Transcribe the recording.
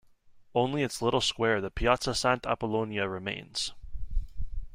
Only its little square, the "Piazza Sant'Apollonia" remains.